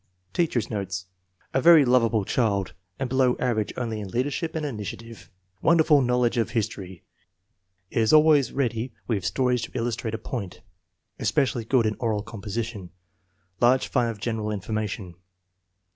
Teacher's notes. A very lovable child, and below average only in leadership and initiative. " Wonder ful knowledge of history. Is always ready with sto ries to illustrate a point. Especially good in oral composition. Large fund of general information."